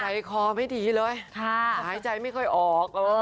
ใจคอไม่ดีเลยหายใจไม่ค่อยออก